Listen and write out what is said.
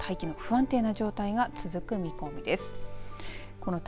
このあとも大気の不安定な状態が続く見込みです。